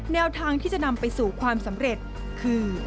แนวทางที่จะนำไปสู่ความสำเร็จคือ